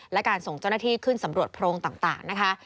และการส่งเจ้าหน้าที่ขึ้นสำรวจโพรงต่างนะคะ